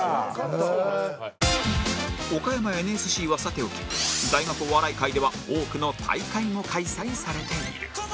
岡山 ＮＳＣ はさておき大学お笑い界では多くの大会も開催されている